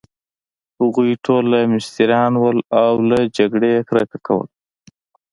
هغوی ټوله مستریان ول، او له جګړې يې کرکه کول.